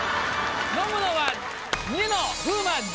飲むのはニノ風磨陣！